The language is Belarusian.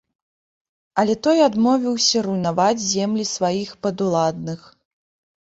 Але той адмовіўся руйнаваць землі сваіх падуладных.